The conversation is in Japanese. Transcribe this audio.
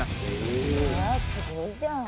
へえすごいじゃん。